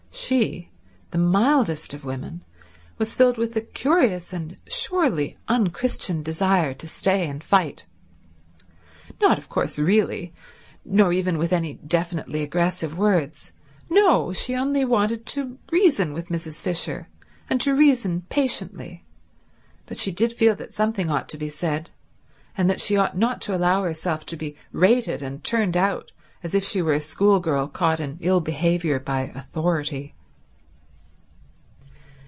She, the mildest of women, was filled with a curious and surely unchristian desire to stay and fight. Not, of course, really, nor even with any definitely aggressive words. No; she only wanted to reason with Mrs. Fisher, and to reason patiently. But she did feel that something ought to be said, and that she ought not to allow herself to be rated and turned out as if she were a schoolgirl caught in ill behaviour by Authority.